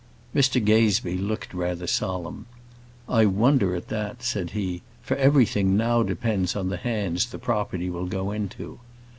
Mr Gazebee looked rather solemn. "I wonder at that," said he; "for everything now depends on the hands the property will go into.